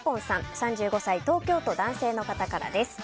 ３５歳、東京都男性の方からです。